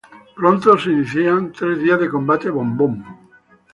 Pronto se inician tres días de combates en Bombón.